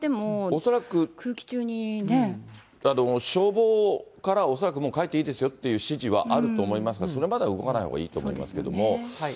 恐らく、消防から、恐らくもう、帰っていいですよという指示はあると思いますから、それまでは動かないほうがいいと思いますけれども。